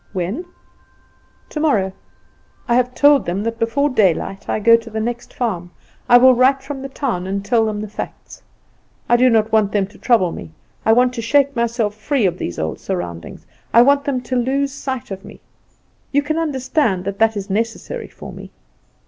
"When?" "Tomorrow. I have told them that before daylight I go to the next farm. I will write from the town and tell them the facts. I do not want them to trouble me; I want to shake myself free of these old surroundings; I want them to lose sight of me. You can understand that is necessary for me."